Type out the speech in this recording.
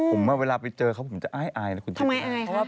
ผมเวลาไปเจอเขาผมจะอ้ายอายนะคุณชิคกี้พาย